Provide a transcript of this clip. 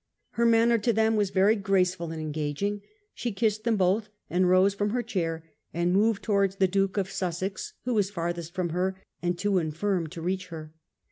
Her manner to them was very graceful and engaging ; she kissed them both, and rose from her chair and moved towards the Duke of Sussex, who was farthest from her, and too infirm to reach her.